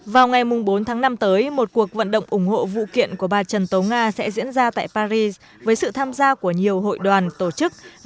vào ngày bốn tháng năm tới một cuộc vận động ủng hộ vụ kiện của bà trần tố nga sẽ diễn ra tại paris với sự tham gia của nhiều hội đoàn tổ chức và các cá nhân các luật sư đã đến